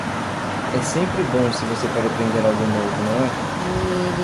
É sempre bom se você pode aprender algo novo, não é?